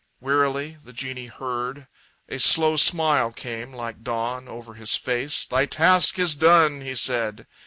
Wearily The genie heard. A slow smile came like dawn Over his face. "Thy task is done!" he said.